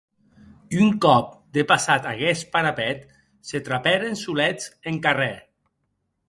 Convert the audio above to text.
Un còp depassat aguest parapet, se trapèren solets en carrèr.